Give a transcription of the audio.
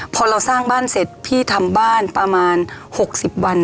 พอเราสร้างบ้านเสร็จพี่ทำบ้านประมาณ๖๐วัน